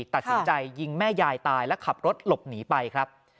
ตัดสินใจยิงแม่ยายตายและขับรถหลบหนีไปครับ